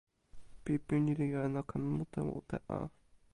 pipi ni li jo e noka mute mute a!